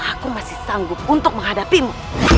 aku masih sanggup untuk menghadapimu